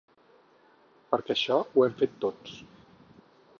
Perquè això ho hem fet tots.